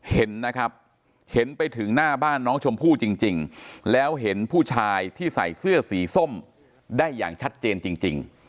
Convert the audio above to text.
เห็นนะครับเห็นไปถึงหน้าบ้านน้องชมพู่จริงแล้วเห็นผู้ชายที่ใส่เสื้อสีส้มได้อย่างชัดเจนจริง